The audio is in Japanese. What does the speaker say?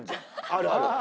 あるある。